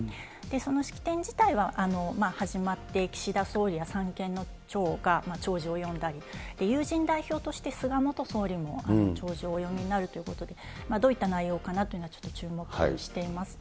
その式典自体は始まって岸田総理や三権の長が弔辞を読んだり、友人代表として菅元総理も弔辞をお読みになるということで、どういった内容かなというのは、ちょっと注目しています。